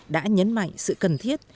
đã nhấn mạnh sự cần thiết